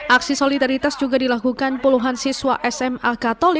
aksi solidaritas juga dilakukan puluhan siswa sma katolik